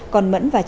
còn mẫn và trương